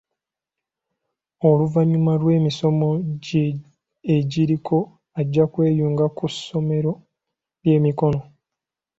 Oluvannyuma lw'emisomo gye egiriko ajja kweyunga ku ssomero ly'emikono.